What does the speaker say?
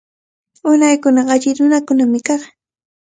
Unaykunaqa alli nunakunami kaq.